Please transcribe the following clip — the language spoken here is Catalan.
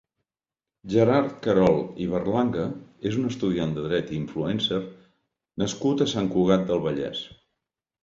Gerard Querol i Berlanga és un estudiant de dret i influencer nascut a Sant Cugat del Vallès.